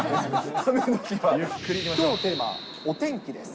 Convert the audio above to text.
きょうのテーマ、お天気です。